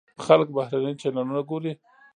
خلک بهرني چینلونه ګوري.